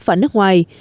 và nước ngoài